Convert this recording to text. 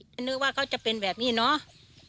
นึกว่าเขาจะเป็นแบบนี้เนาะ